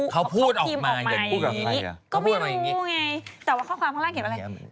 เขาพูดออกพิมพ์ออกมาอย่างนี้ก็ไม่รู้ไงแต่ว่าข้อความข้างล่างเขียนอะไร